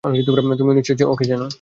তুমিও নিশ্চয়ই ওকে চেনো।